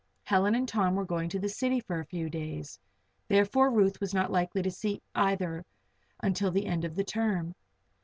Helen and Tom were going to the city for a few days, therefore Ruth was not likely to see either until the end of the term.